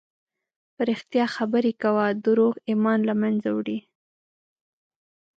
په رښتیا خبرې کوه، دروغ ایمان له منځه وړي.